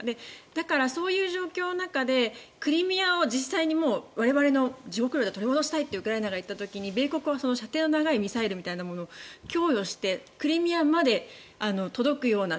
だから、そういう状況の中でクリミアを実際に我々の自国領を取り戻したいとウクライナが言った時に米国は射程の長いミサイルみたいなものを供与してクリミアまで届くような。